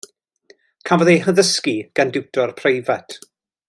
Cafodd ei haddysgu gan diwtor preifat.